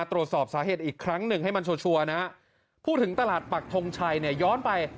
ตรวจสอบสาเหตุอีกครั้งหนึ่งให้มันชัวร์นะพูดถึงตลาดปักทงชัยเนี่ยย้อนไป